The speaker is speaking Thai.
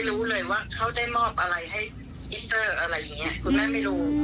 เพราะคุณแม่จะเป็นคนซื้ออย่างซื้อเพียโนเนี่ย๓๐๐๐บาทเนี่ย